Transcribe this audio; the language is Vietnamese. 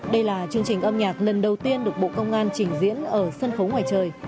đây là chương trình âm nhạc lần đầu tiên được bộ công an trình diễn ở sân khấu ngoài trời